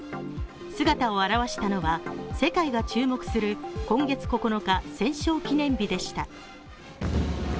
姿を現したのは世界が注目する今月９日、戦勝記念日でした。